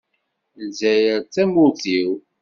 Lezzayer d tamurt-iw.